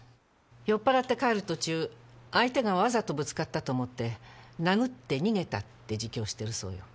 酔っ払って帰る途中相手がわざとぶつかったと思って殴って逃げたって自供してるそうよ。